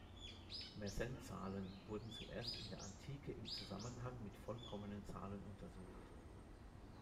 Mersenne-Zahlen wurden zuerst in der Antike im Zusammenhang mit vollkommenen Zahlen untersucht.